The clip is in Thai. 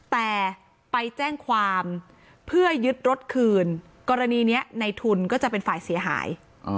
แต่ไปแจ้งความเพื่อยึดรถคืนกรณีนี้ในทุนก็จะเป็นฝ่ายเสียหาย